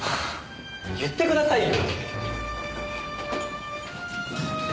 言ってくださいよ。